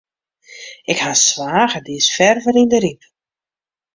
Ik ha in swager, dy is ferver yn de Ryp.